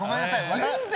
全然！